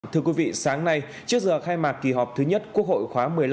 thưa quý vị sáng nay trước giờ khai mạc kỳ họp thứ nhất quốc hội khóa một mươi năm